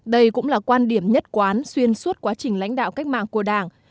đây cũng là quan điểm nhất quán xuyên suốt quá trình lãnh đạo cách mạng của đảng